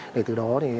để từ đó